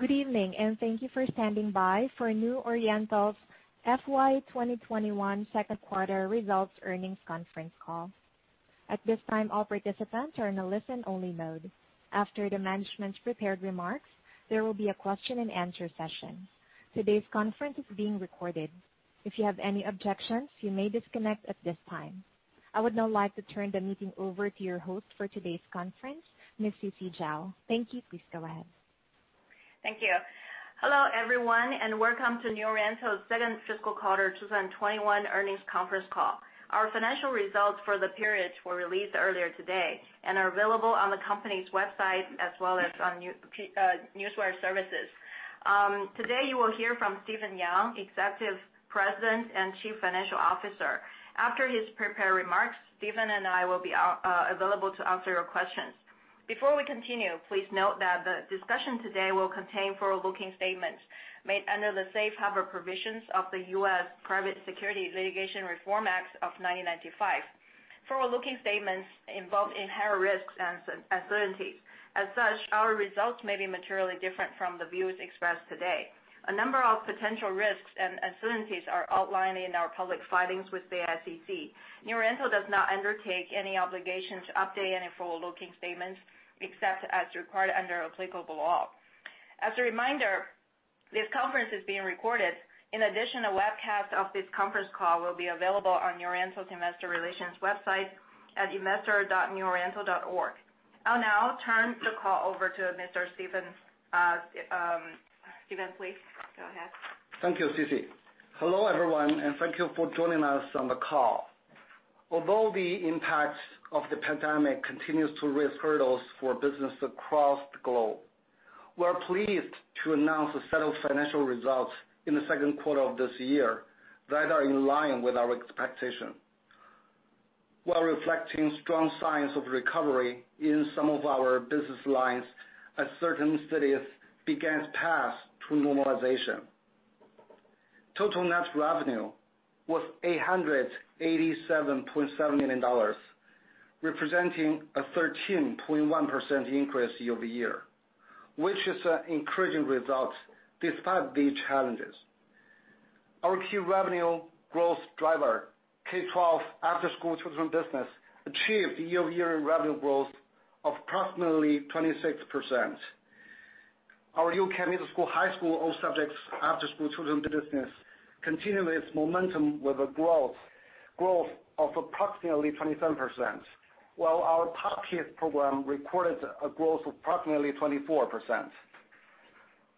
Good evening, and thank you for standing by for New Oriental's FY 2021 second quarter results earnings conference call. At this time, all participants are in a listen-only mode. After the management's prepared remarks, there will be a question and answer session. Today's conference is being recorded. If you have any objections, you may disconnect at this time. I would now like to turn the meeting over to your host for today's conference, Ms. Sisi Zhao. Thank you. Please go ahead. Thank you. Hello, everyone, and welcome to New Oriental's second fiscal quarter 2021 earnings conference call. Our financial results for the period were released earlier today and are available on the company's website as well as on newswire services. Today, you will hear from Stephen Yang, Executive President and Chief Financial Officer. After his prepared remarks, Stephen and I will be available to answer your questions. Before we continue, please note that the discussion today will contain forward-looking statements made under the Safe Harbor Provisions of the U.S. Private Securities Litigation Reform Act of 1995. Forward-looking statements involve inherent risks and uncertainties. As such, our results may be materially different from the views expressed today. A number of potential risks and uncertainties are outlined in our public filings with the SEC. New Oriental does not undertake any obligation to update any forward-looking statements except as required under applicable law. As a reminder, this conference is being recorded. In addition, a webcast of this conference call will be available on New Oriental's investor relations website at investor.neworiental.org. I will now turn the call over to Mr. Stephen. Stephen, please go ahead. Thank you, Sisi. Hello, everyone, thank you for joining us on the call. Although the impact of the pandemic continues to raise hurdles for business across the globe, we're pleased to announce a set of financial results in the second quarter of this year that are in line with our expectation, while reflecting strong signs of recovery in some of our business lines as certain cities began paths to normalization. Total net revenue was $887.7 million, representing a 13.1% increase year-over-year, which is an encouraging result despite the challenges. Our key revenue growth driver, K12 after-school children business, achieved year-over-year revenue growth of approximately 26%. Our U-Can middle school, high school, all subjects after-school children business continued its momentum with a growth of approximately 27%, while our POP Kids program recorded a growth of approximately 24%.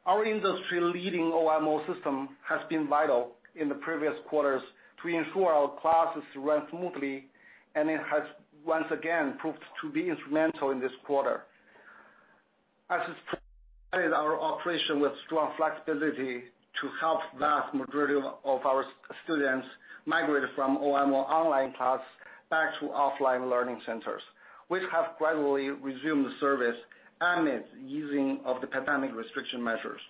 Our industry-leading OMO system has been vital in the previous quarters to ensure our classes run smoothly, and it has once again proved to be instrumental in this quarter, as our operation with strong flexibility to help vast majority of our students migrate from OMO online class back to offline learning centers. We have gradually resumed service amidst easing of the pandemic restriction measures.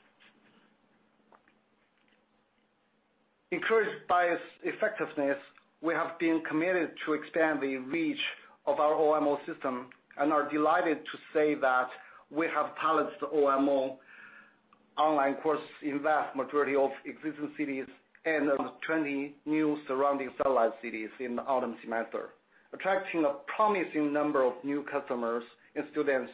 Encouraged by its effectiveness, we have been committed to expand the reach of our OMO system and are delighted to say that we have piloted OMO online courses in vast majority of existing cities and 20 new surrounding satellite cities in the autumn semester, attracting a promising number of new customers and students,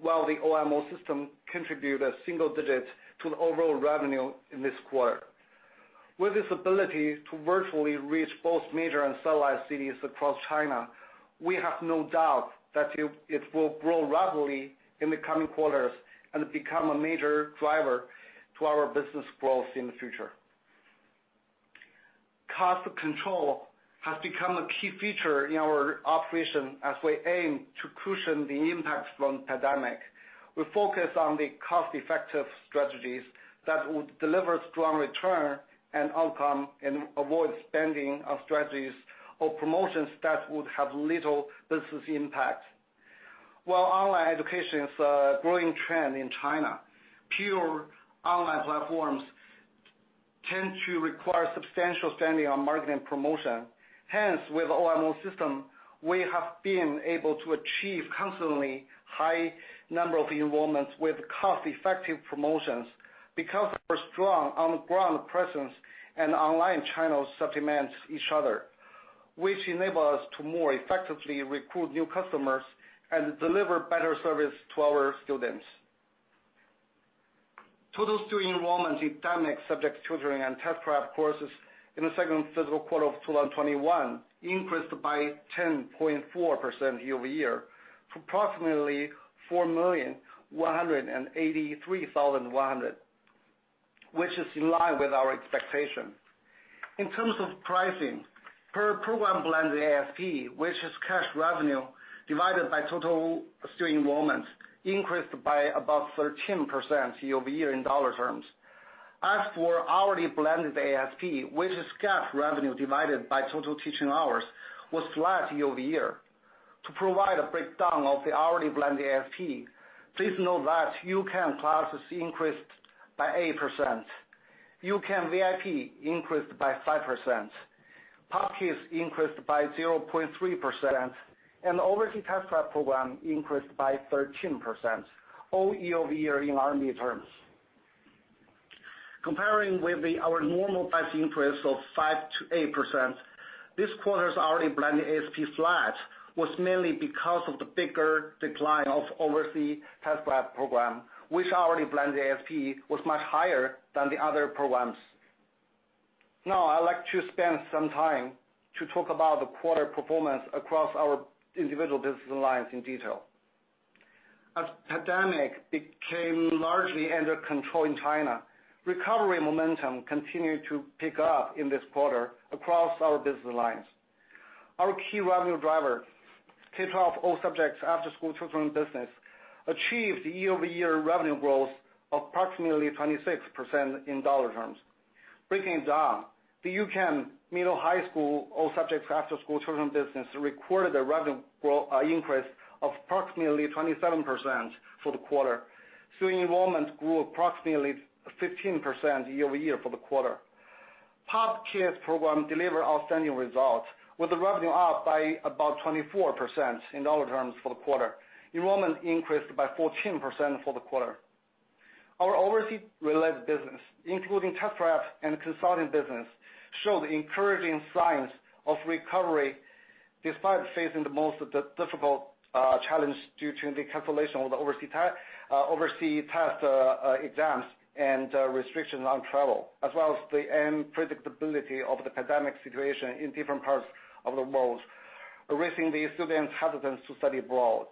while the OMO system contribute a single digit to the overall revenue in this quarter. With this ability to virtually reach both major and satellite cities across China, we have no doubt that it will grow rapidly in the coming quarters and become a major driver to our business growth in the future. Cost control has become a key feature in our operation as we aim to cushion the impact from the pandemic. We focus on the cost-effective strategies that would deliver strong return and outcome and avoid spending on strategies or promotions that would have little business impact. While online education is a growing trend in China, pure online platforms tend to require substantial spending on marketing promotion. With OMO system, we have been able to achieve constantly high number of enrollments with cost-effective promotions because our strong on-the-ground presence and online channels supplement each other, which enable us to more effectively recruit new customers and deliver better service to our students. Total student enrollment in dynamic subject tutoring and test prep courses in the second fiscal quarter of 2021 increased by 10.4% year-over-year to approximately 4,183,100, which is in line with our expectation. In terms of pricing, per program blended ASP, which is cash revenue divided by total student enrollments, increased by about 13% year-over-year in dollar terms. As for hourly blended ASP, which is cash revenue divided by total teaching hours, was flat year-over-year. To provide a breakdown of the hourly blended ASP, please note that U-Can classes increased by 8%. U-Can VIP increased by 5%. POP Kids increased by 0.3%, and the overseas Test-Prep program increased by 13%, all year-over-year in RMB terms. Comparing with our normal price increase of 5%-8%, this quarter's already blended ASP flat was mainly because of the bigger decline of overseas Test-Prep program, which already blended ASP was much higher than the other programs. Now, I'd like to spend some time to talk about the quarter performance across our individual business lines in detail. As pandemic became largely under control in China, recovery momentum continued to pick up in this quarter across our business lines. Our key revenue driver, K12 all subjects after-school tutoring business, achieved year-over-year revenue growth approximately 26% in dollar terms. Breaking it down, the U-Can middle high school all subjects after-school tutoring business recorded a revenue growth increase of approximately 27% for the quarter. Student enrollment grew approximately 15% year-over-year for the quarter. POP Kids program delivered outstanding results, with the revenue up by about 24% in dollar terms for the quarter. Enrollment increased by 14% for the quarter. Our overseas-related business, including Test-Prep and consulting business, showed encouraging signs of recovery despite facing the most difficult challenge due to the cancellation of the overseas test exams and restrictions on travel, as well as the unpredictability of the pandemic situation in different parts of the world, raising the students' hesitance to study abroad.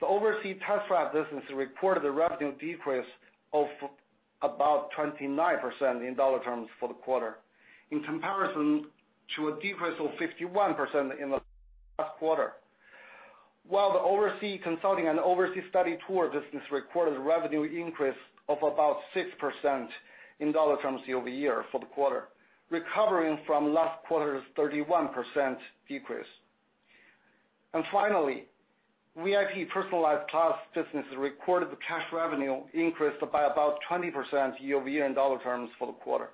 The overseas Test-Prep business reported a revenue decrease of about 29% in dollar terms for the quarter, in comparison to a decrease of 51% in the last quarter. While the overseas consulting and overseas study tour business recorded a revenue increase of about 6% in dollar terms year-over-year for the quarter, recovering from last quarter's 31% decrease. Finally, VIP personalized class business recorded the cash revenue increased by about 20% year-over-year in dollar terms for the quarter.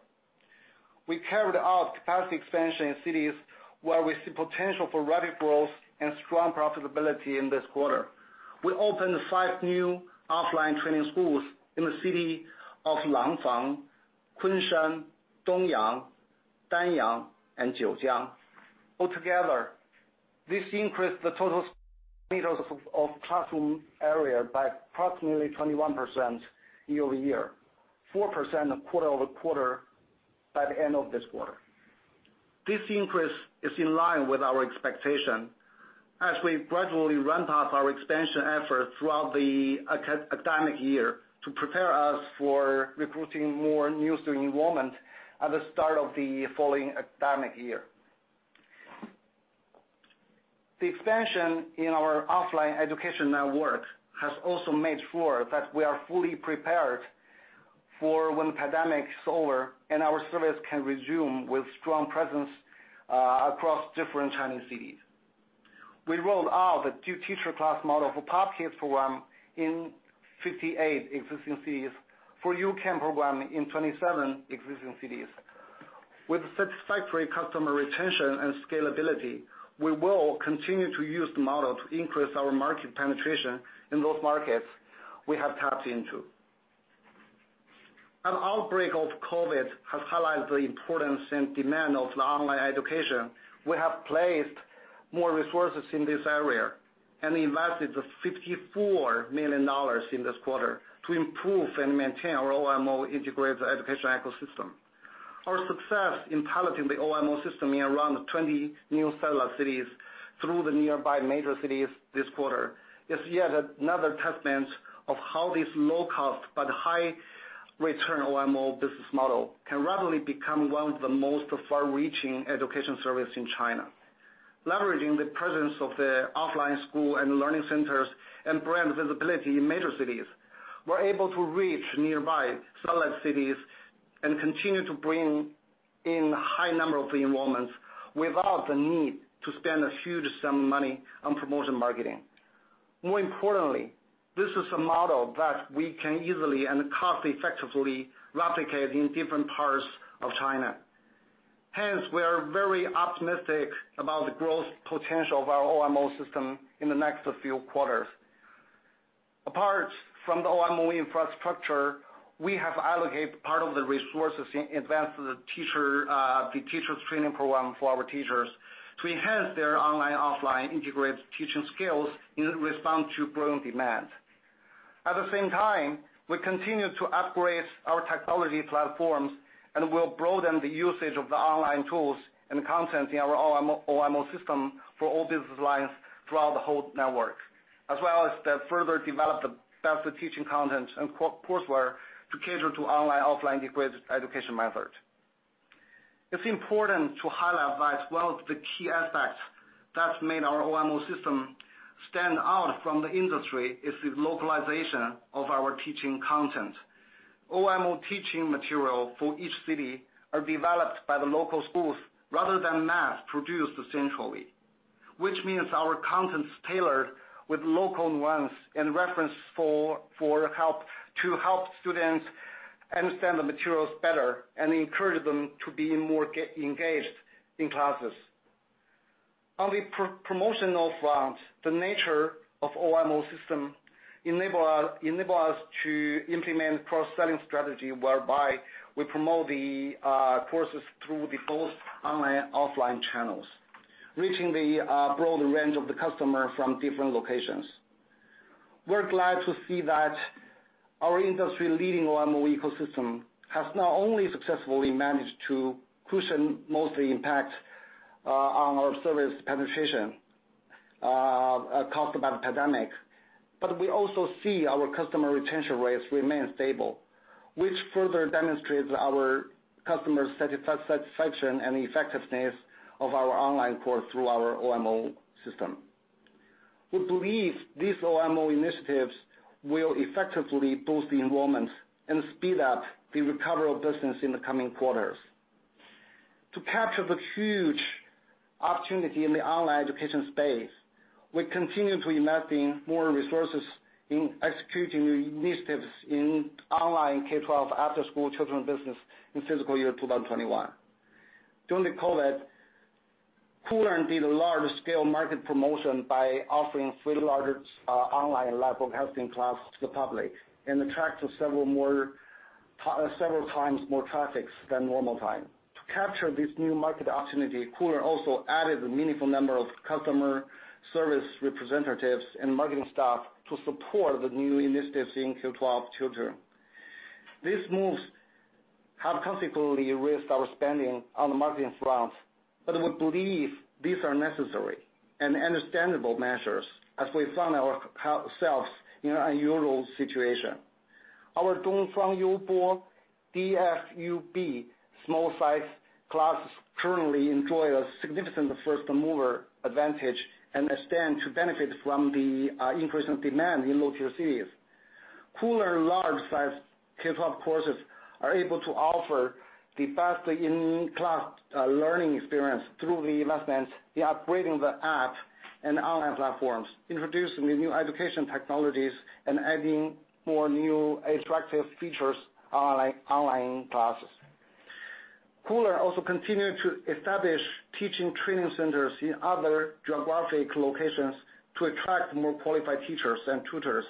We carried out capacity expansion in cities where we see potential for rapid growth and strong profitability in this quarter. We opened five new offline training schools in the city of Langfang, Kunshan, Dongyang, Danyang, and Jiujiang. Altogether, this increased the total meters of classroom area by approximately 21% year-over-year, 4% quarter-over-quarter by the end of this quarter. This increase is in line with our expectation as we gradually ramp up our expansion efforts throughout the academic year to prepare us for recruiting more new student enrollment at the start of the following academic year. The expansion in our offline education network has also made sure that we are fully prepared for when the pandemic is over, and our service can resume with strong presence across different Chinese cities. We rolled out the two-teacher class model for POP Kids program in 58 existing cities. For U-Can program in 27 existing cities. With satisfactory customer retention and scalability, we will continue to use the model to increase our market penetration in those markets we have tapped into. An outbreak of COVID has highlighted the importance and demand of online education. We have placed more resources in this area and invested $54 million in this quarter to improve and maintain our OMO integrated education ecosystem. Our success in piloting the OMO system in around 20 new satellite cities through the nearby major cities this quarter is yet another testament of how this low cost but high return OMO business model can rapidly become one of the most far-reaching education service in China. Leveraging the presence of the offline school and learning centers and brand visibility in major cities, we're able to reach nearby satellite cities and continue to bring in high number of enrollments without the need to spend a huge sum of money on promotion marketing. More importantly, this is a model that we can easily and cost effectively replicate in different parts of China. Hence, we are very optimistic about the growth potential of our OMO system in the next few quarters. Apart from the OMO infrastructure, we have allocated part of the resources in advance to the teachers training program for our teachers to enhance their online, offline integrated teaching skills in response to growing demand. At the same time, we continue to upgrade our technology platforms and will broaden the usage of the online tools and content in our OMO system for all business lines throughout the whole network, as well as to further develop the best teaching content and courseware to cater to online, offline integrated education method. It's important to highlight that one of the key aspects that's made our OMO system stand out from the industry is the localization of our teaching content. OMO teaching material for each city are developed by the local schools rather than mass produced centrally. Which means our content is tailored with local nuance and reference to help students understand the materials better and encourage them to be more engaged in classes. On the promotional front, the nature of OMO system enable us to implement cross-selling strategy, whereby we promote the courses through both online and offline channels, reaching the broader range of the customer from different locations. We're glad to see that our industry-leading OMO ecosystem has not only successfully managed to cushion most of the impact on our service penetration, caused by the pandemic, but we also see our customer retention rates remain stable, which further demonstrates our customer satisfaction and the effectiveness of our online course through our OMO system. We believe these OMO initiatives will effectively boost the enrollments and speed up the recovery of business in the coming quarters. To capture the huge opportunity in the online education space, we continue to investing more resources in executing new initiatives in online K12 after-school children business in fiscal year 2021. During the COVID-19, Koolearn did a large-scale market promotion by offering free large online live home tutoring class to the public and attracted several times more traffic than normal time. To capture this new market opportunity, Koolearn also added a meaningful number of customer service representatives and marketing staff to support the new initiatives in K12 tutoring. These moves have considerably raised our spending on the marketing front, we believe these are necessary and understandable measures as we found ourselves in an unusual situation. Our Dongfang Youbo, DFYB, small-size classes currently enjoy a significant first-mover advantage and stand to benefit from the increase in demand in lower-tier cities. Koolearn large-size K12 courses are able to offer the best in-class learning experience through the investments, the upgrading the app and online platforms, introducing the new education technologies and adding more new attractive features online classes. Koolearn also continue to establish teaching training centers in other geographic locations to attract more qualified teachers and tutors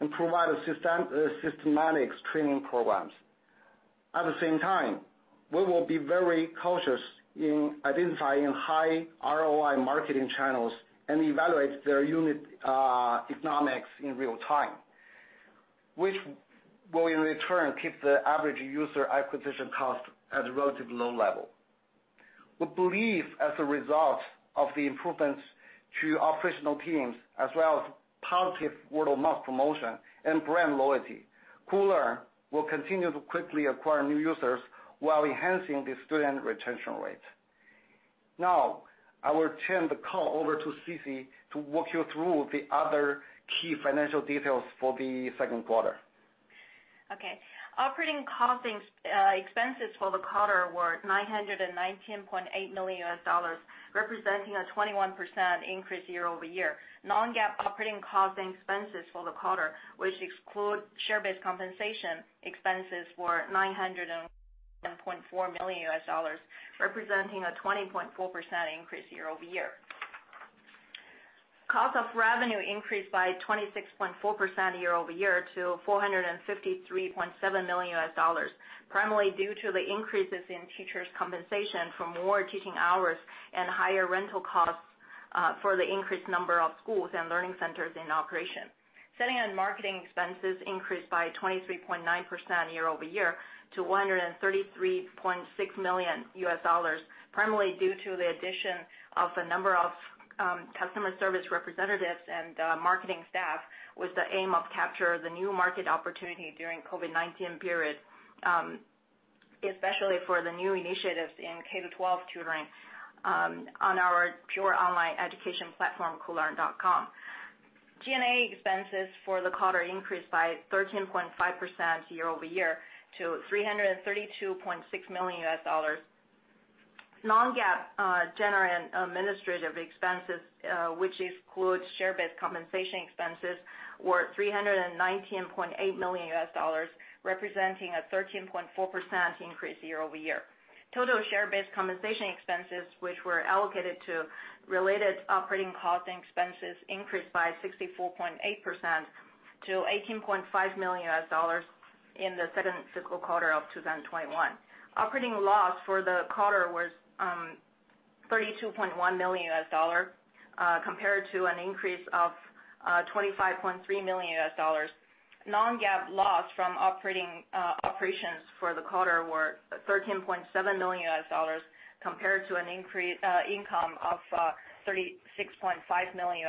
and provide a systematic training programs. At the same time, we will be very cautious in identifying high ROI marketing channels and evaluate their unit economics in real time, which will in return keep the average user acquisition cost at a relatively low level. We believe as a result of the improvements to operational teams, as well as positive word of mouth promotion and brand loyalty, Koolearn will continue to quickly acquire new users while enhancing the student retention rate. Now, I will turn the call over to Sisi to walk you through the other key financial details for the second quarter. Operating expenses for the quarter were $919.8 million, representing a 21% increase year-over-year. Non-GAAP operating costs and expenses for the quarter, which exclude share-based compensation expenses were $907.4 million, representing a 20.4% increase year-over-year. Cost of revenue increased by 26.4% year-over-year to $453.7 million, primarily due to the increases in teachers' compensation for more teaching hours and higher rental costs for the increased number of schools and learning centers in operation. Selling and marketing expenses increased by 23.9% year-over-year to $133.6 million, primarily due to the addition of a number of customer service representatives and marketing staff with the aim of capture the new market opportunity during COVID-19 period, especially for the new initiatives in K12 tutoring on our pure online education platform, Koolearn.com. G&A expenses for the quarter increased by 13.5% year-over-year to $332.6 million. Non-GAAP general and administrative expenses, which excludes share-based compensation expenses, were $319.8 million, representing a 13.4% increase year-over-year. Total share-based compensation expenses, which were allocated to related operating costs and expenses, increased by 64.8% to $18.5 million in the second fiscal quarter of 2021. Operating loss for the quarter was $32.1 million, compared to an increase of $25.3 million. Non-GAAP loss from operations for the quarter were $13.7 million compared to an income of $36.5 million.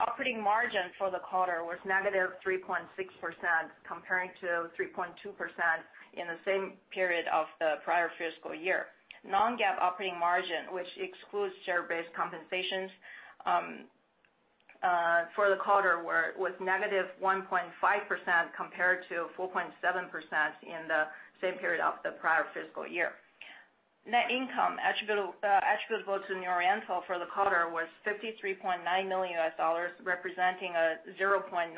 Operating margin for the quarter was -3.6% comparing to 3.2% in the same period of the prior fiscal year. Non-GAAP operating margin, which excludes share-based compensations, for the quarter was -1.5% compared to 4.7% in the same period of the prior fiscal year. Net income attributable to New Oriental for the quarter was $53.9 million, representing a 0.9%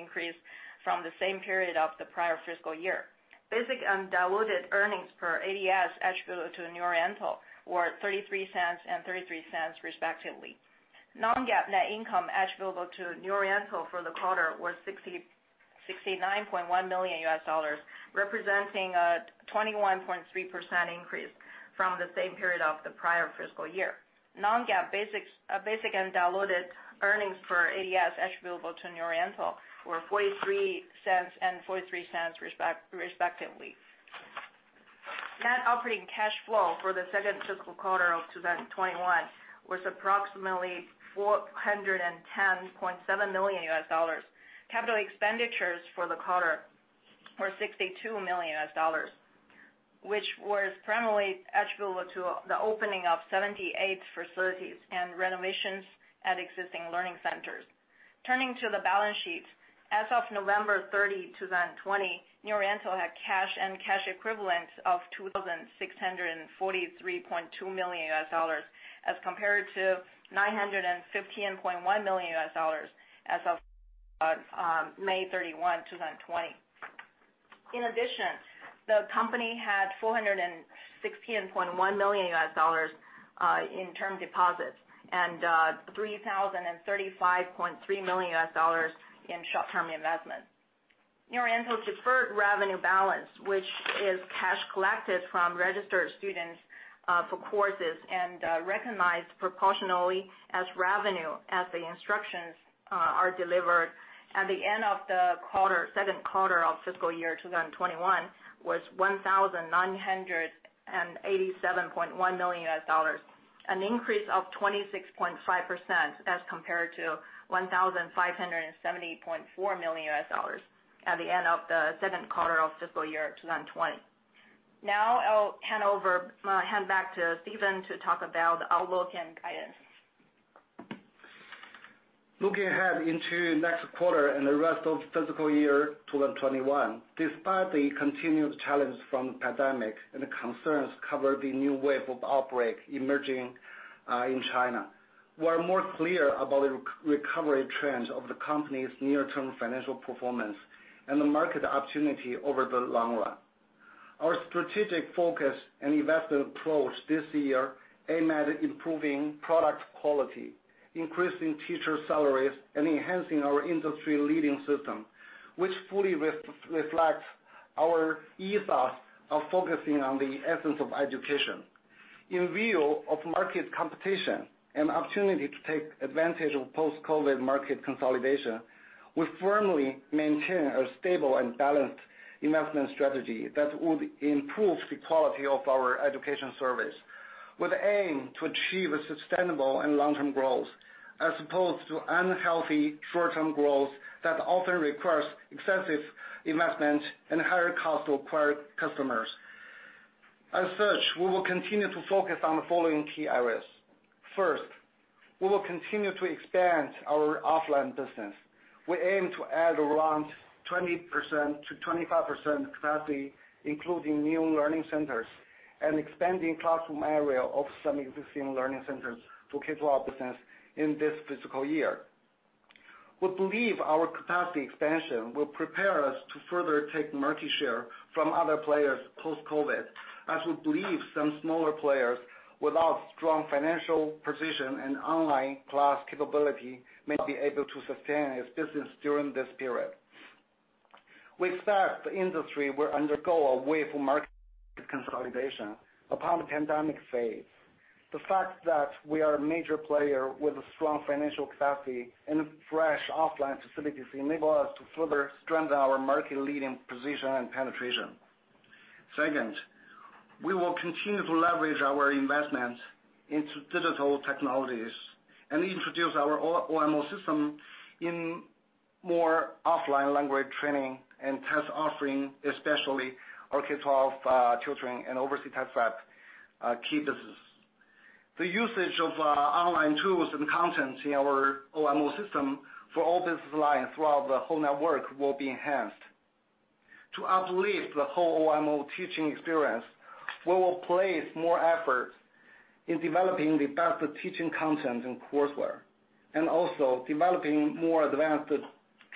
increase from the same period of the prior fiscal year. Basic and diluted earnings per ADS attributable to New Oriental were $0.33 and $0.33 respectively. Non-GAAP net income attributable to New Oriental for the quarter was $69.1 million, representing a 21.3% increase from the same period of the prior fiscal year. Non-GAAP basic and diluted earnings per ADS attributable to New Oriental were $0.43 and $0.43 respectively. Net operating cash flow for the second fiscal quarter of 2021 was approximately $410.7 million. Capital expenditures for the quarter were $62 million, which was primarily attributable to the opening of 78 facilities and renovations at existing learning centers. Turning to the balance sheet. As of November 30, 2020, New Oriental had cash and cash equivalents of $2,643.2 million as compared to $915.1 million as of May 31, 2020. In addition, the company had $416.1 million in term deposits and $3,035.3 million in short-term investments. New Oriental's deferred revenue balance, which is cash collected from registered students for courses and recognized proportionally as revenue as the instructions are delivered at the end of the second quarter of fiscal year 2021, was $1,987.1 million, an increase of 26.5% as compared to $1,570.4 million at the end of the second quarter of fiscal year 2020. I'll hand back to Stephen to talk about the outlook and guidance. Looking ahead into next quarter and the rest of FY 2021, despite the continued challenges from the pandemic and the concerns over the new wave of outbreak emerging in China, we are more clear about the recovery trends of the company's near-term financial performance and the market opportunity over the long run. Our strategic focus and investment approach this year aim at improving product quality, increasing teacher salaries, and enhancing our industry-leading system, which fully reflects our ethos of focusing on the essence of education. In view of market competition and opportunity to take advantage of post-COVID-19 market consolidation, we firmly maintain a stable and balanced investment strategy that would improve the quality of our education service with aim to achieve a sustainable and long-term growth as opposed to unhealthy short-term growth that often requires extensive investment and higher cost to acquire customers. As such, we will continue to focus on the following key areas. First, we will continue to expand our offline business. We aim to add around 20%-25% capacity, including new learning centers and expanding classroom area of some existing learning centers for K-12 business in this fiscal year. We believe our capacity expansion will prepare us to further take market share from other players post-COVID, as we believe some smaller players without strong financial position and online class capability may not be able to sustain its business during this period. We expect the industry will undergo a wave of market consolidation upon the pandemic phase. The fact that we are a major player with a strong financial capacity and fresh offline facilities enable us to further strengthen our market-leading position and penetration. Second, we will continue to leverage our investment into digital technologies and introduce our OMO system in more offline language training and test offering, especially our K12 children and overseas test prep key business. The usage of online tools and content in our OMO system for all business lines throughout the whole network will be enhanced. To uplift the whole OMO teaching experience, we will place more effort in developing the best teaching content and courseware, and also developing more advanced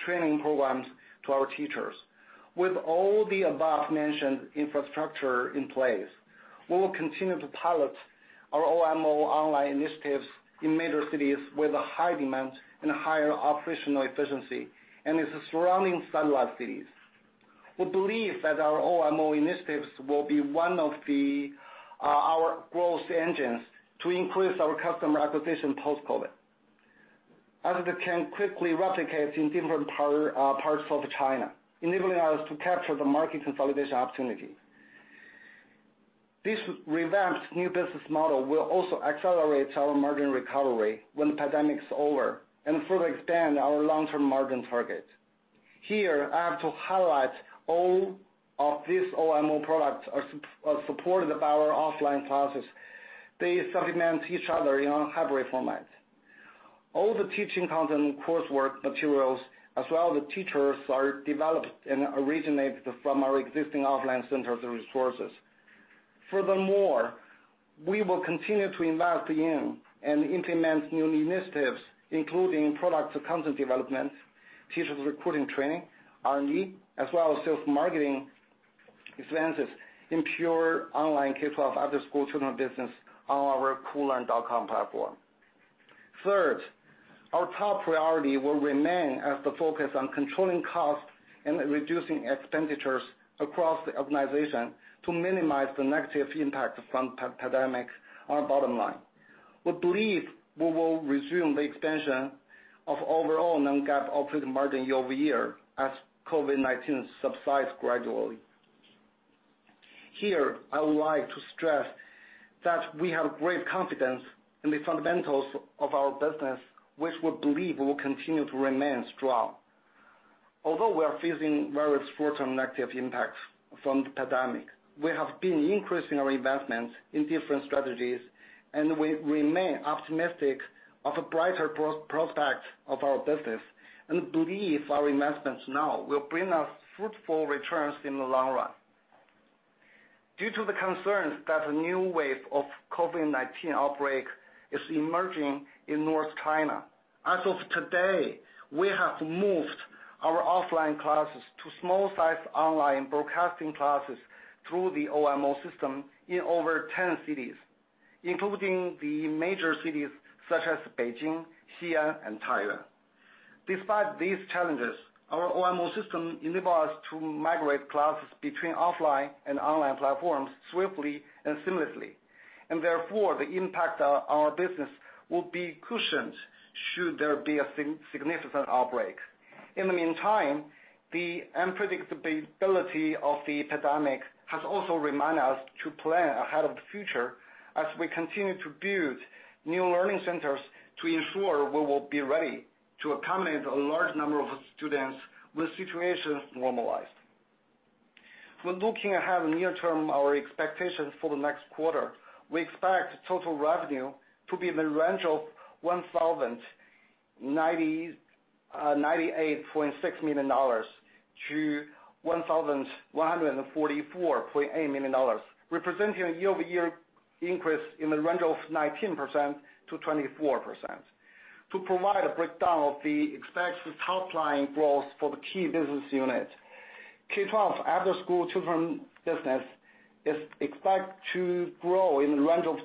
training programs to our teachers. With all the above-mentioned infrastructure in place, we will continue to pilot our OMO online initiatives in major cities with a high demand and a higher operational efficiency and its surrounding satellite cities. We believe that our OMO initiatives will be one of our growth engines to increase our customer acquisition post-COVID-19, as it can quickly replicate in different parts of China, enabling us to capture the market consolidation opportunity. This revamped new business model will also accelerate our margin recovery when the pandemic's over and further expand our long-term margin target. I have to highlight all of these OMO products are supported by our offline classes. They supplement each other in our hybrid format. All the teaching content, coursework materials, as well the teachers are developed and originated from our existing offline centers and resources. We will continue to invest in and implement new initiatives, including products and content development, teachers recruiting training, R&D, as well as sales marketing advances in pure online K12 after-school tutoring business on our koolearn.com platform. Third, our top priority will remain as the focus on controlling costs and reducing expenditures across the organization to minimize the negative impact from pandemic on our bottom line. We believe we will resume the expansion of overall Non-GAAP operating margin year-over-year as COVID-19 subsides gradually. Here, I would like to stress that we have great confidence in the fundamentals of our business, which we believe will continue to remain strong. Although we are facing various short-term negative impacts from the pandemic, we have been increasing our investments in different strategies, and we remain optimistic of a brighter prospect of our business, and believe our investments now will bring us fruitful returns in the long run. Due to the concerns that a new wave of COVID-19 outbreak is emerging in North China, as of today, we have moved our offline classes to small-sized online broadcasting classes through the OMO system in over 10 cities, including the major cities such as Beijing, Xian, and Taiyuan. Despite these challenges, our OMO system enable us to migrate classes between offline and online platforms swiftly and seamlessly, and therefore, the impact on our business will be cushioned should there be a significant outbreak. In the meantime, the unpredictability of the pandemic has also reminded us to plan ahead of the future as we continue to build new learning centers to ensure we will be ready to accommodate a large number of students when situation normalized. When looking ahead near term, our expectations for the next quarter, we expect total revenue to be in the range of $1,098.6 million-$1,144.8 million, representing a year-over-year increase in the range of 19%-24%. To provide a breakdown of the expected top-line growth for the key business unit, K12 after-school tutoring business is expected to grow in the range of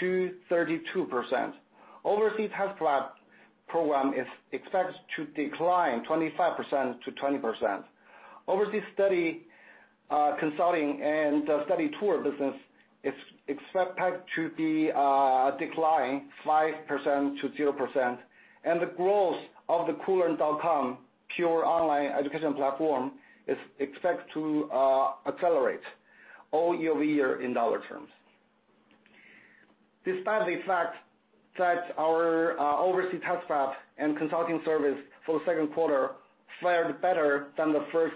27%-32%. Overseas test prep program is expected to decline 25%-20%. Overseas study consulting and study tour business is expected to be declining 5%-0%, and the growth of the koolearn.com pure online education platform is expected to accelerate all year-over-year in dollar terms. Despite the fact that our overseas test prep and consulting service for the second quarter fared better than the first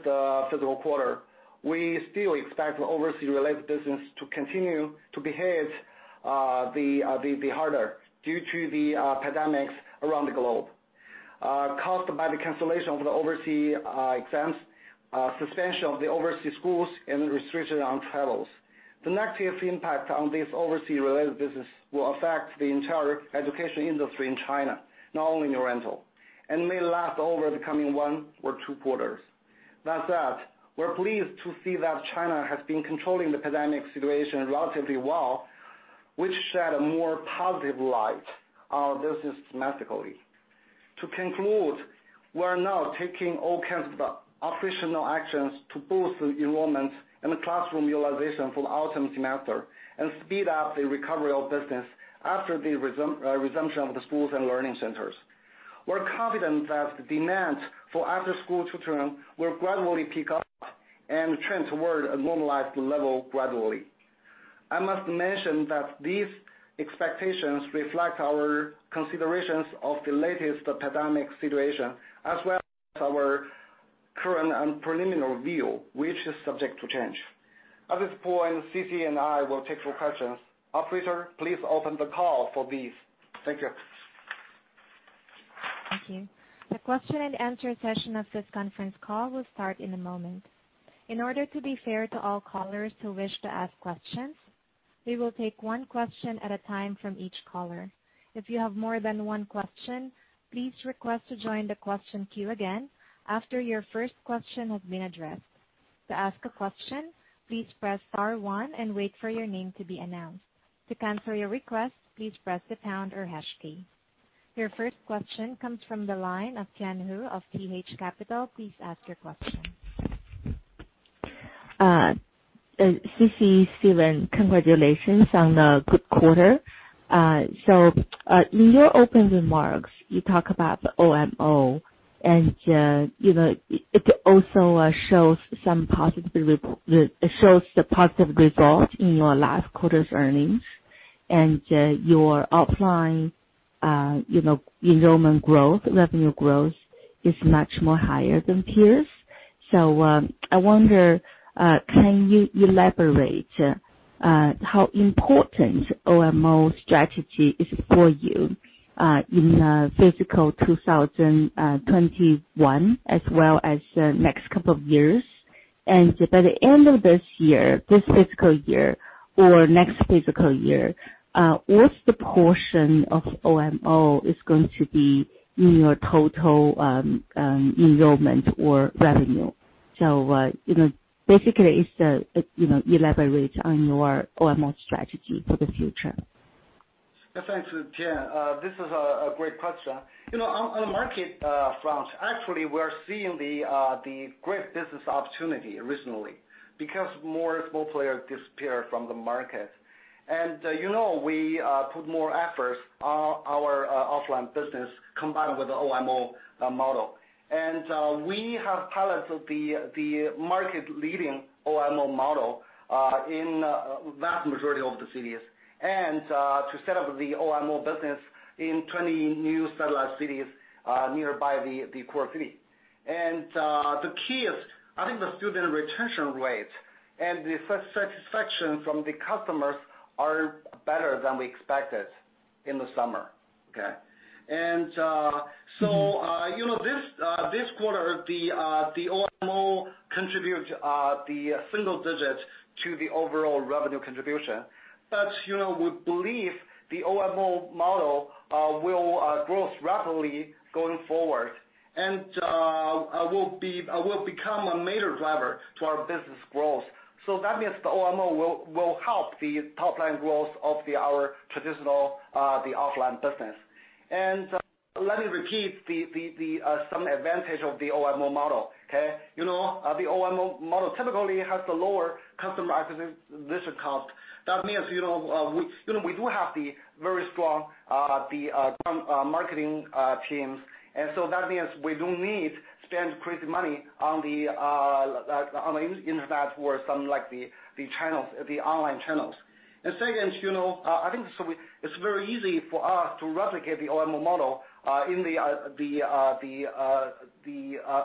fiscal quarter, we still expect the overseas-related business to continue to behave the harder due to the pandemic around the globe, caused by the cancellation of the overseas exams, suspension of the overseas schools, and restriction on travels. The negative impact on this overseas-related business will affect the entire education industry in China, not only New Oriental, and may last over the coming one or two quarters. That said, we are pleased to see that China has been controlling the pandemic situation relatively well, which shed a more positive light on business semestrically. To conclude, we are now taking all kinds of operational actions to boost the enrollment and the classroom utilization for the autumn semester and speed up the recovery of business after the resumption of the schools and learning centers. We're confident that demand for after-school tutoring will gradually pick up and trend toward a normalized level gradually. I must mention that these expectations reflect our considerations of the latest pandemic situation, as well as our current and preliminary view, which is subject to change. At this point, Sisi and I will take your questions. Operator, please open the call for these. Thank you. Thank you. The question and answer session of this conference call will start in a moment. In order to be fair to all callers who wish to ask questions, we will take one question at a time from each caller. If you have more than one question, please request to join the question queue again after your first question has been addressed. To ask a question, please press star one and wait for your name to be announced. To cancel your request, please press the pound or hash key. Your first question comes from the line of Tian Hou of TH Capital. Please ask your question. Sisi, Stephen, congratulations on the good quarter. In your opening remarks, you talk about the OMO, and it also shows the positive result in your last quarter's earnings. Your offline enrollment growth, revenue growth, is much more higher than peers. I wonder, can you elaborate how important OMO strategy is for you in fiscal 2021 as well as the next couple of years? By the end of this year, this fiscal year or next fiscal year, what's the portion of OMO is going to be in your total enrollment or revenue? Basically, elaborate on your OMO strategy for the future. Thanks, Tian. This is a great question. On a market front, actually, we are seeing the great business opportunity originally because more small players disappear from the market. We put more efforts on our offline business combined with the OMO model. We have piloted the market leading OMO model in vast majority of the cities. To set up the OMO business in 20 new satellite cities nearby the core city. The key is, I think the student retention rate and the satisfaction from the customers are better than we expected in the summer. Okay? This quarter, the OMO contribute the single-digit to the overall revenue contribution. We believe the OMO model will growth rapidly going forward. Will become a major driver to our business growth. That means the OMO will help the top-line growth of our traditional offline business. Let me repeat some advantage of the OMO model. Okay. The OMO model typically has the lower customer acquisition cost. That means, we do have the very strong marketing teams, that means we don't need spend crazy money on the internet or some the online channels. Second, I think it's very easy for us to replicate the OMO model in the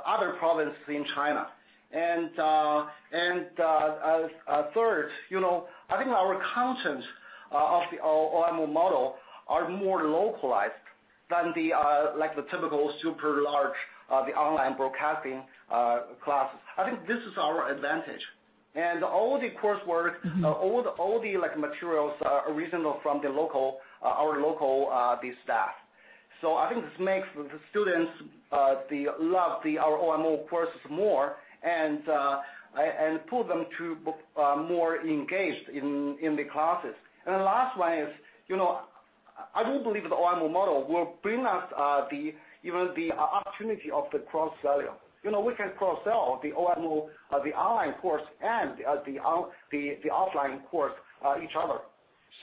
other provinces in China. Third, I think our content of the OMO model are more localized than the typical super-large, the online broadcasting classes. I think this is our advantage and all the coursework- All the materials are original from our local staff. I think this makes the students love our OMO courses more and pull them to more engaged in the classes. The last one is, I do believe the OMO model will bring us even the opportunity of the cross-selling. We can cross-sell the OMO, the online course and the offline course each other.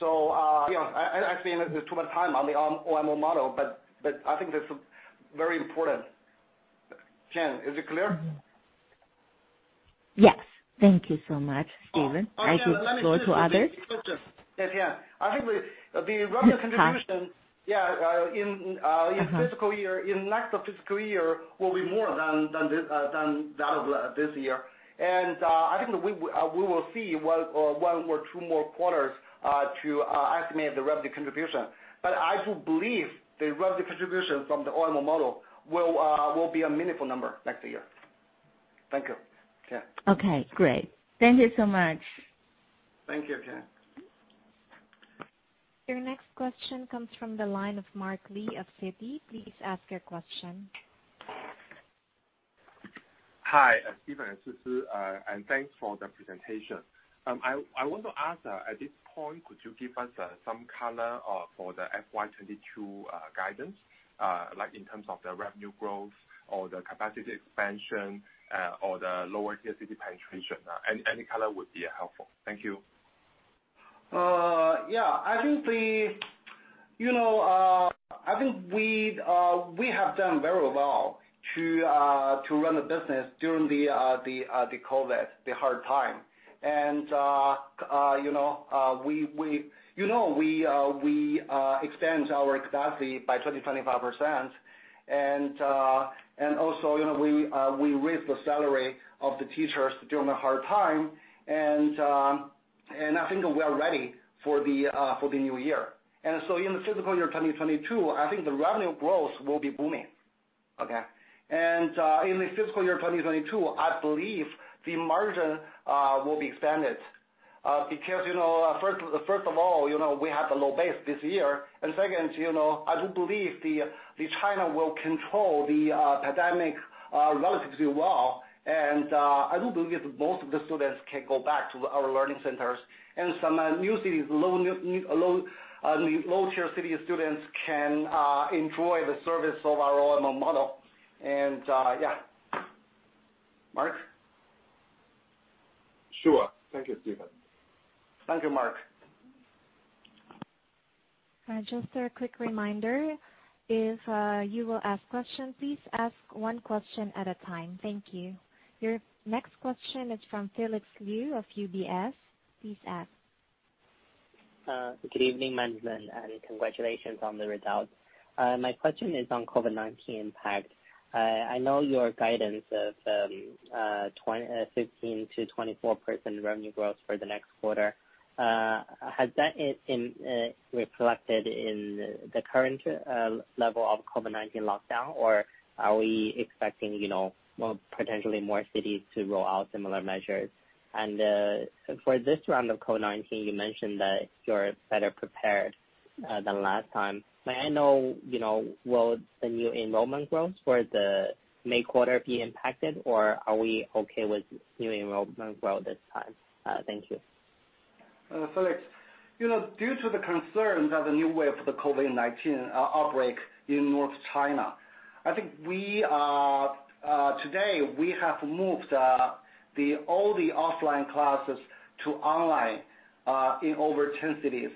I spend too much time on the OMO model, but I think that's very important. Tian, is it clear? Yes. Thank you so much, Stephen. I can go to others. Let me say something. Yeah. I think the revenue. Yes. Hi. Yeah. Fiscal year, in next fiscal year, will be more than that of this year. I think we will see one or two more quarters to estimate the revenue contribution. I do believe the revenue contribution from the OMO model will be a meaningful number next year. Thank you, Tian. Okay, great. Thank you so much. Thank you, Tian. Your next question comes from the line of Mark Li of Citi. Please ask your question. Hi, Stephen and Sisi, and thanks for the presentation. I want to ask, at this point, could you give us some color for the FY 2022 guidance, like in terms of the revenue growth or the capacity expansion, or the lower tier city penetration? Any color would be helpful. Thank you. Yeah. I think we have done very well to run the business during the COVID, the hard time. We expand our capacity by 20, 25%. Also we raised the salary of the teachers during the hard time. I think we are ready for the new year. In the fiscal year 2022, I think the revenue growth will be booming. Okay. In the fiscal year 2022, I believe the margin will be expanded. Because first of all, we have the low base this year. Second, I do believe China will control the pandemic relatively well. I do believe that most of the students can go back to our learning centers. Some new cities, low tier city students can enjoy the service of our OMO model. Yeah. Mark. Sure. Thank you, Stephen. Thank you, Mark. Just a quick reminder. If you will ask question, please ask one question at a time. Thank you. Your next question is from Felix Liu of UBS. Please ask. Good evening, management, and congratulations on the results. My question is on COVID-19 impact. I know your guidance of 15%-24% revenue growth for the next quarter. Has that been reflected in the current level of COVID-19 lockdown, or are we expecting potentially more cities to roll out similar measures? For this round of COVID-19, you mentioned that you're better prepared than last time. May I know, will the new enrollment growth for the May quarter be impacted, or are we okay with new enrollment growth this time? Thank you. Felix, due to the concerns of the new wave of the COVID-19 outbreak in North China, I think today we have moved all the offline classes to online in over 10 cities,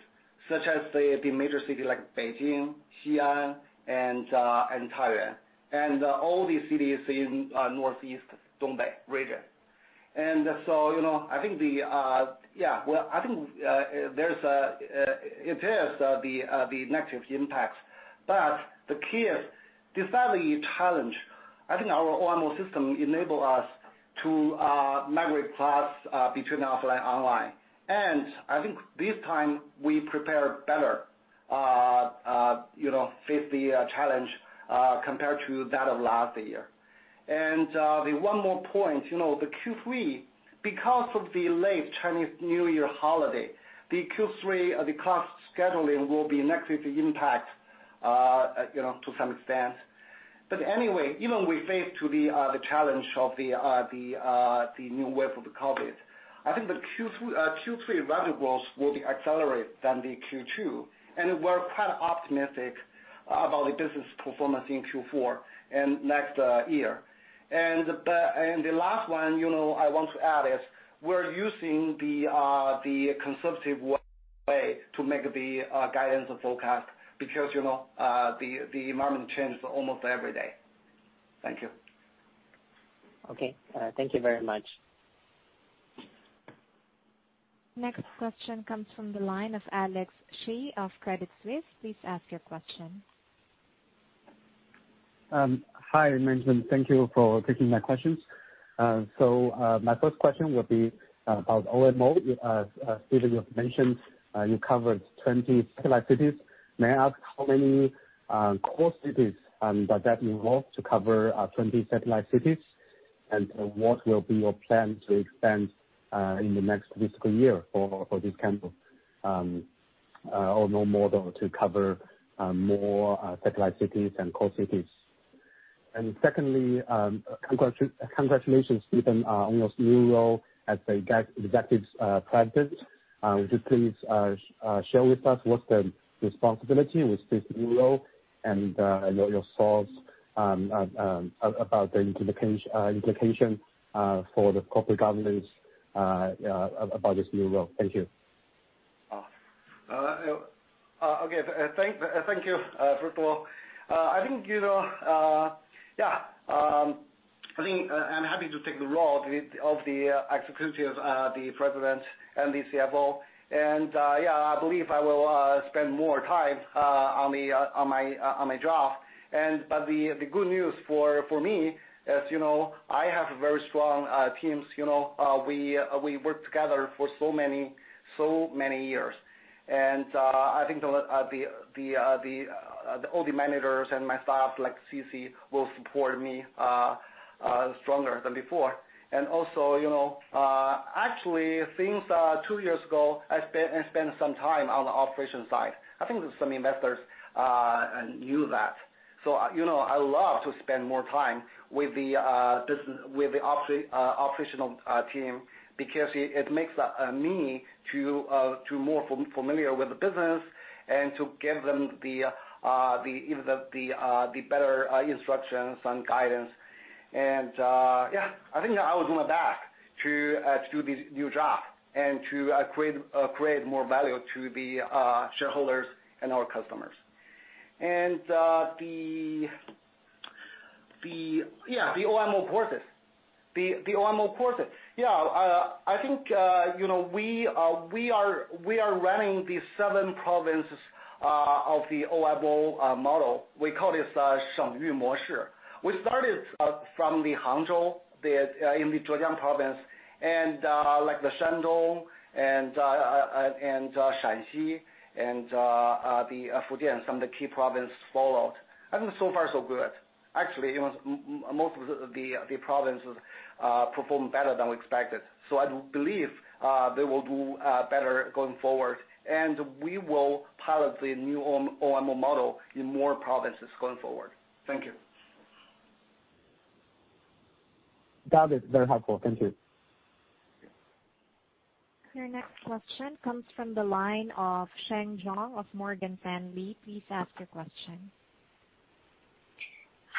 such as the major city like Beijing, Xi'an, and Taiyuan, and all these cities in Northeast Dongbei region. I think it has the negative impacts. The key is, despite the challenge, I think our OMO system enable us to migrate class between offline and online. I think this time we prepare better, face the challenge compared to that of last year. The one more point, the Q3, because of the late Chinese New Year holiday, the Q3, the class scheduling will be negatively impact to some extent. Anyway, even we face the challenge of the new wave of the COVID, I think the Q3 revenue growth will be accelerated than the Q2. We're quite optimistic about the business performance in Q4 and next year. The last one I want to add is we're using the conservative way to make the guidance forecast because the environment change almost every day. Thank you. Okay. Thank you very much. Next question comes from the line of Alex Xie of Credit Suisse. Please ask your question. Hi, management. Thank you for taking my questions. My first question will be about OMO. Stephen, you have mentioned you covered 20 satellite cities. May I ask how many core cities does that involve to cover 20 satellite cities? What will be your plan to expand in the next fiscal year for this kind of OMO model to cover more satellite cities and core cities? Secondly, congratulations, Stephen, on your new role as the Executive President. Would you please share with us what's the responsibility with this new role and your thoughts about the implication for the corporate governance about this new role? Thank you. Okay. Thank you, first of all. I'm happy to take the role of the Executive President and the CFO. Yeah, I believe I will spend more time on my job. The good news for me is I have very strong teams. We worked together for so many years. I think all the managers and my staff like Sisi will support me stronger than before. Also actually since two years ago, I spent some time on the operation side. I think some investors knew that. I love to spend more time with the operational team because it makes me to more familiar with the business and to give them the better instructions and guidance. Yeah, I think I was on my desk to do this new job and to create more value to the shareholders and our customers. The OMO process. Yeah, I think we are running the seven provinces of the OMO model. We call this Sheng Yu Mo Shi. We started from the Hangzhou in the Zhejiang Province and like the Shandong and Shanxi and the Fujian, some of the key province followed. I think so far so good. Actually, most of the provinces performed better than we expected. I believe they will do better going forward. We will pilot the new OMO model in more provinces going forward. Thank you. Got it, very helpful. Thank you. Your next question comes from the line of Sheng Zhong of Morgan Stanley. Please ask your question.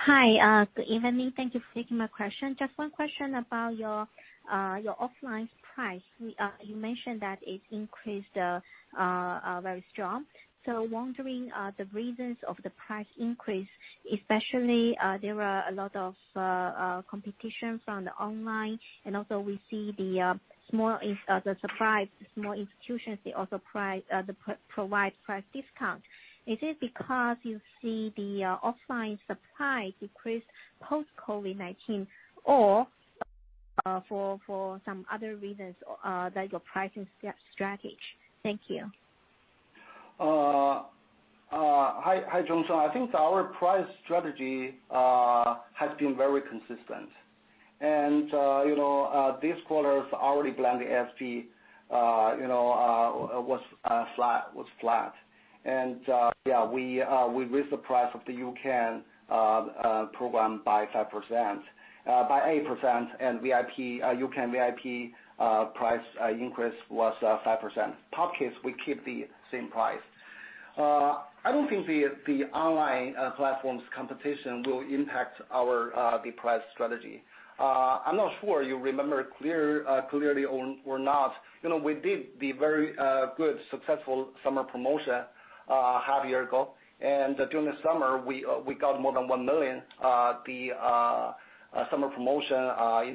Hi, good evening. Thank you for taking my question. Just one question about your offline price. You mentioned that it increased very strong. I'm wondering the reasons of the price increase, especially there are a lot of competition from the online and also we see the private small institutions, they also provide price discount. Is it because you see the offline supply decreased post COVID-19 or for some other reasons, like your pricing strategy? Thank you. Hi, Zhong sheng. I think our price strategy has been very consistent. This quarter's early blend FT was flat. We raised the price of the U-Can program by 8%, U-Can VIP price increase was 5%. POP Kids, we keep the same price. I don't think the online platform's competition will impact the price strategy. I'm not sure you remember clearly or not. We did the very good successful summer promotion half year ago. During the summer, we got more than one million, the summer promotion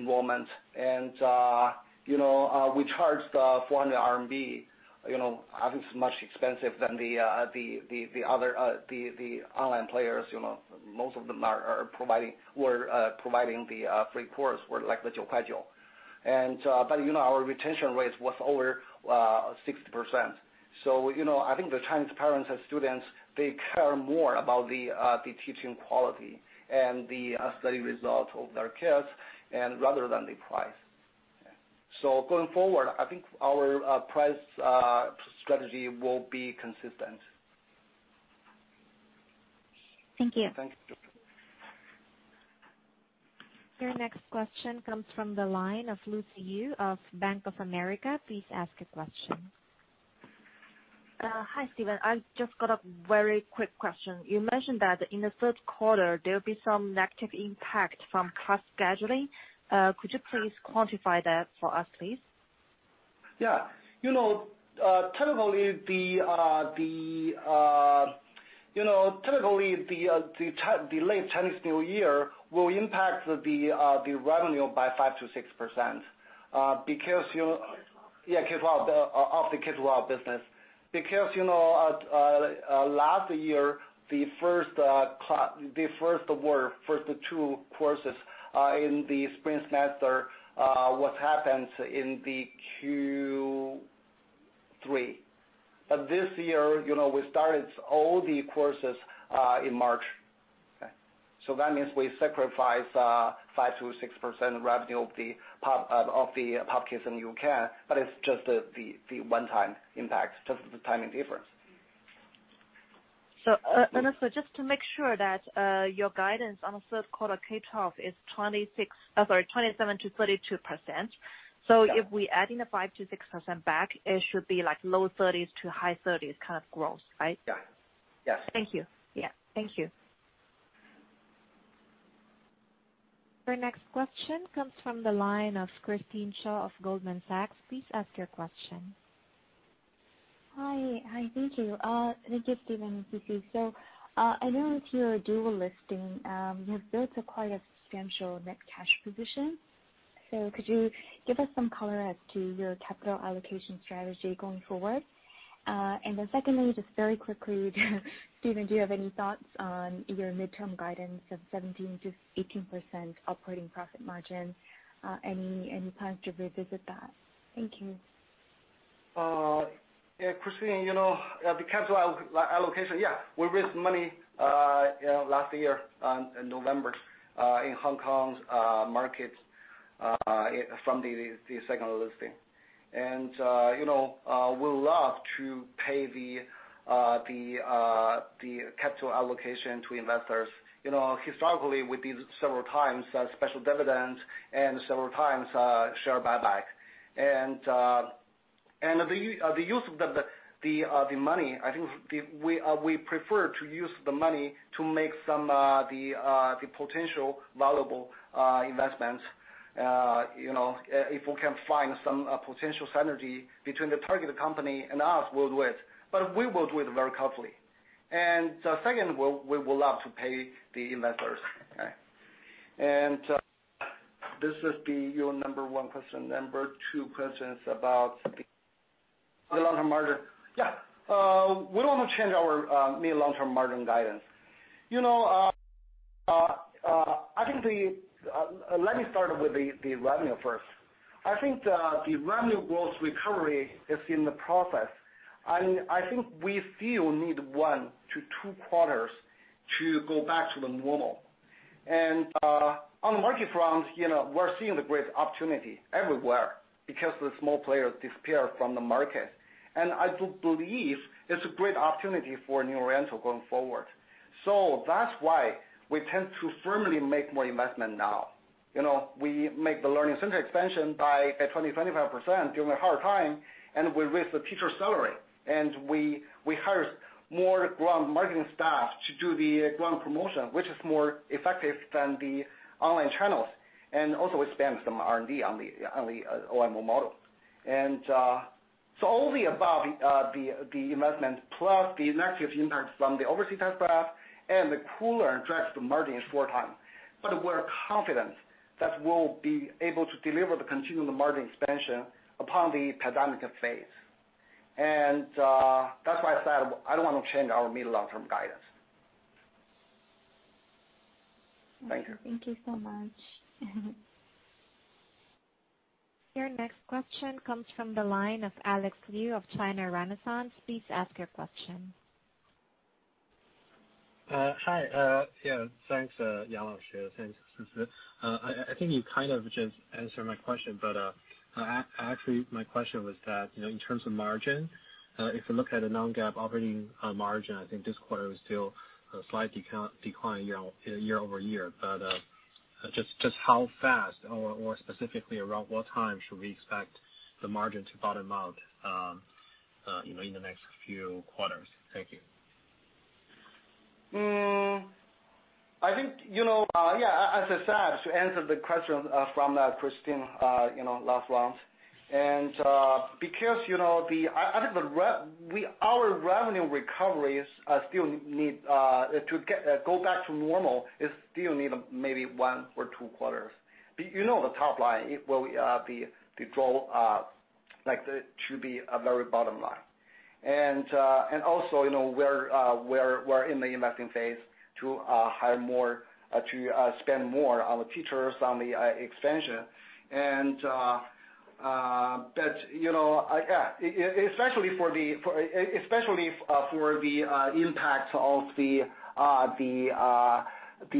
enrollment. We charged 400 RMB. I think it's much expensive than the online players. Most of them were providing the free course, were like the Zhou Kai Zhou. Our retention rate was over 60%. I think the Chinese parents and students, they care more about the teaching quality and the study result of their kids rather than the price. Going forward, I think our price strategy will be consistent. Thank you. Thank you. Your next question comes from the line of Lucy Yu of Bank of America. Please ask a question. Hi, Stephen. I've just got a very quick question. You mentioned that in the third quarter, there'll be some negative impact from class scheduling. Could you please quantify that for us, please? Yeah. Typically, the late Chinese New Year will impact the revenue by 5%-6%. Of K12? Yeah, K12, of the K12 business. Last year, the first two courses in the spring semester, what happens in the Q3. This year, we started all the courses in March. That means we sacrifice 5%-6% revenue of the POP Kids and U-Can, but it's just the one-time impact, just the timing difference. And also, just to make sure that your guidance on the third quarter K12 is 27%-32%. Yeah. If we add in the 5%-6% back, it should be low 30s to high 30s kind of growth, right? Yeah. Thank you. Yeah, thank you. Your next question comes from the line of Christine Cho of Goldman Sachs. Please ask your question. Hi, thank you. Thank you, Stephen and Sisi. I know with your dual listing, you have built quite a substantial net cash position. Could you give us some color as to your capital allocation strategy going forward? Secondly, just very quickly, Stephen, do you have any thoughts on your midterm guidance of 17%-18% operating profit margin? Any plans to revisit that? Thank you. Christine. The capital allocation, we raised money last year in November in Hong Kong's market from the second listing. We love to pay the capital allocation to investors. Historically, we did several times special dividends and several times share buyback. The use of the money, I think we prefer to use the money to make some potential valuable investments. If we can find some potential synergy between the targeted company and us, we'll do it, but we will do it very carefully. Second, we will love to pay the investors. Okay. This is your number one question. Number two question is about the long-term margin. We don't want to change our mid, long-term margin guidance. Let me start with the revenue first. I think the revenue growth recovery is in the process, and I think we still need one to two quarters to go back to the normal. On the market front, we're seeing the great opportunity everywhere because the small players disappear from the market. I do believe it's a great opportunity for New Oriental going forward. That's why we tend to first make more investment now. We make the learning center expansion by 20%-25% during a hard time, and we raised the teacher salary, and we hired more ground marketing staff to do the ground promotion, which is more effective than the online channels, and also expand some R&D on the OMO model. All the above, the investment plus the negative impact from the overseas test prep and the Koolearn drags the margin is four times. We're confident that we'll be able to deliver the continual margin expansion upon the pandemic phase. That's why I said I don't want to change our mid long-term guidance. Thank you. Thank you so much. Your next question comes from the line of Alex Liu of China Renaissance. Please ask your question. Hi. Yeah, thanks, Yang, thanks. I think you kind of just answered my question, actually, my question was that, in terms of margin, if you look at a non-GAAP operating margin, I think this quarter was still a slight decline year-over-year. Just how fast or specifically around what time should we expect the margin to bottom out in the next few quarters? Thank you. I think as I said, to answer the question from Christine last round, because our revenue recoveries still need to go back to normal, it still need maybe one or two quarters. You know the top line, the growth should be a very bottom line. Also we're in the investing phase to spend more on the teachers, on the expansion. Especially for the impact of the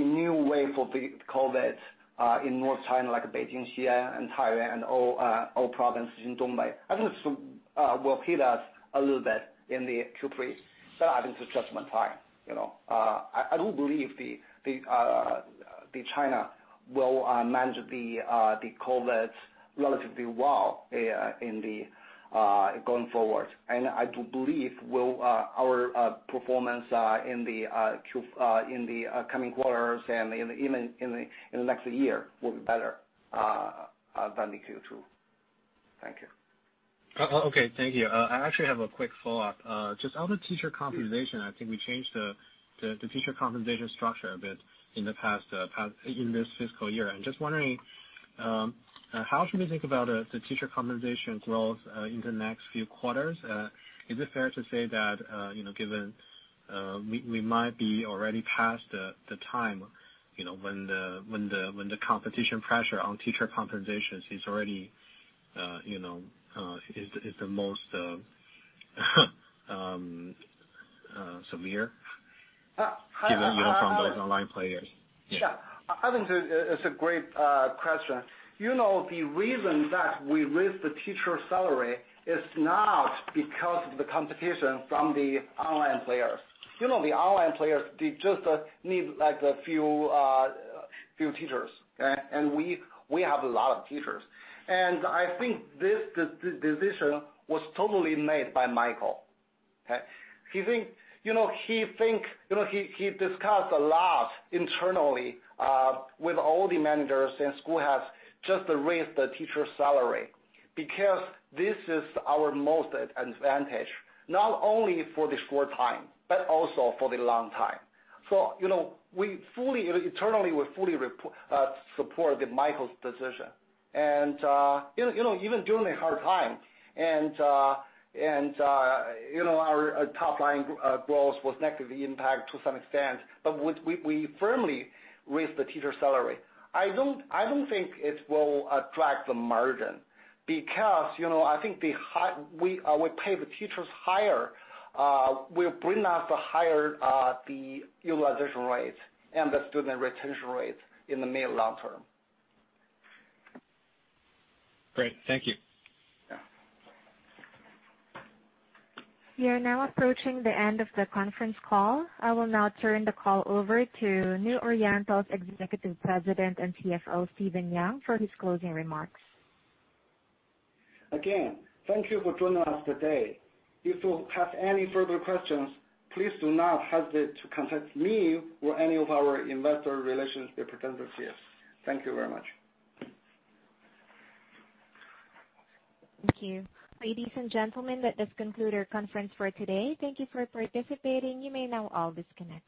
new wave of the COVID-19 in North China, like Beijing, Xi'an, and Taiyuan, and all provinces in Dongbei. I think it will hit us a little bit in the Q3, I think it's just one time. I do believe China will manage the COVID-19 relatively well going forward. I do believe our performance in the coming quarters and even in the next year will be better than the Q2. Thank you. Okay, thank you. I actually have a quick follow-up. Just on the teacher compensation, I think we changed the teacher compensation structure a bit in this fiscal year. I'm just wondering, how should we think about the teacher compensation growth in the next few quarters? Is it fair to say that given we might be already past the time when the competition pressure on teacher compensations is the most severe from those online players? Sure. I think it's a great question. The reason that we raised the teacher salary is not because of the competition from the online players. The online players, they just need a few teachers. We have a lot of teachers. I think this decision was totally made by Michael. He discussed a lot internally with all the managers and school heads just to raise the teacher salary because this is our most advantage, not only for the short time, but also for the long time. Internally, we fully supported Michael's decision. Even during the hard time and our top-line growth was negatively impacted to some extent, but we firmly raised the teacher salary. I don't think it will attract the margin because I think we pay the teachers higher will bring us the higher utilization rate and the student retention rate in the mid long term. Great. Thank you. Yeah. We are now approaching the end of the conference call. I will now turn the call over to New Oriental's Executive President and CFO, Stephen Yang, for his closing remarks. Again, thank you for joining us today. If you have any further questions, please do not hesitate to contact me or any of our investor relations representatives here. Thank you very much. Thank you. Ladies and gentlemen, that does conclude our conference for today. Thank you for participating. You may now all disconnect.